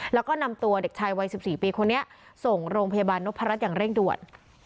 แล้วก็นำตัวเด็กชายวัย๑๔ปีคนนี้ส่งโรงพยาบาลนพรัชอย่างเร่งด่วน